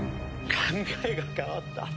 考えが変わった。